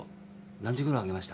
何時ごろあげました？